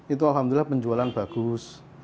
itu alhamdulillah penjualan bagus